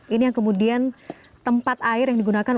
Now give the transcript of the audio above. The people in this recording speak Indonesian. ini yang kemudian tempat air yang digunakan